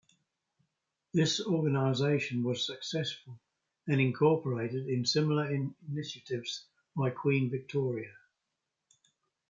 This organisation was successful and incorporated in similar initiatives by Queen Victoria.